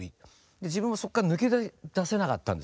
自分もそこから抜け出せなかったんですね。